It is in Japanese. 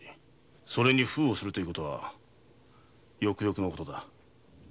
それに封をするという事はよくよくの事だ。